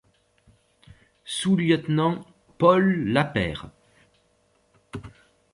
Sous-lieutenant Pol Lapeyre.